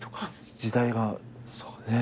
時代がねっ。